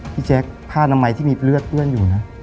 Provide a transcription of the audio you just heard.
พี่แจ๊คผ้าน้ำไหมที่มีเลือดเตือนอยู่นะ